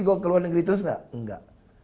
gue ke luar negeri terus gak enggak